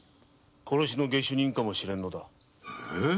殺しの下手人かもしれんのだ。え！？